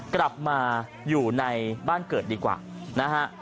กลับมาอยู่ในบ้านเกิดดีกว่านะฮะ